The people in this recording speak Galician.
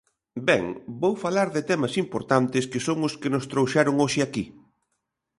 Ben, vou falar de temas importantes, que son os que nos trouxeron hoxe aquí.